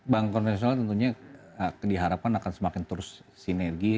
bank konvensional tentunya diharapkan akan semakin terus sinergi